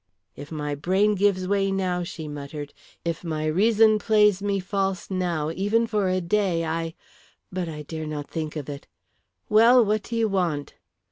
"If my brain gives way now," she muttered, "if my reason plays me false now even for a day I but I dare not think of it. Well, what do you want?"